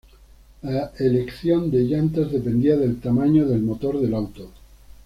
La elección de llantas dependía del tamaño del motor del auto.